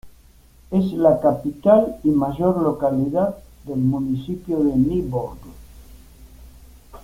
Es la capital y mayor localidad del municipio de Nyborg.